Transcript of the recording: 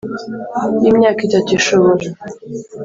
Y Imyaka Itatu Ishobora